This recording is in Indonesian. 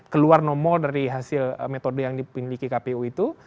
keluar nomor dari hasil metode yang dimiliki kpu itu